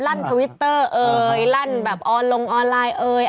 ลั่นพวิตเตอร์เอ๋ยลั่นแบบลงออนไลน์เอ๋ย